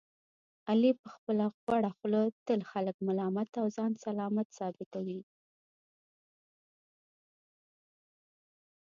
علي په خپله غوړه خوله تل خلک ملامت او ځان سلامت ثابتوي.